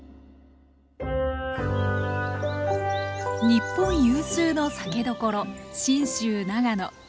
日本有数の酒どころ信州長野。